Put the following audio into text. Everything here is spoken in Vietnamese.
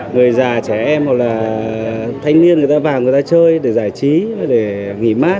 người già trẻ em hoặc là thanh niên vào người ta chơi để giải trí để nghỉ mát